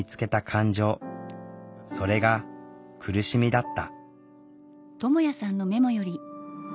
それが「苦しみ」だった。